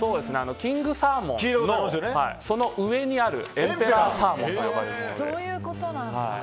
キングサーモンのその上にあるエンペラーサーモンと呼ばれるもので。